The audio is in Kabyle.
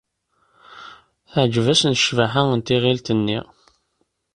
Teɛjeb-asen ccbaḥa n tiɣilt-nni.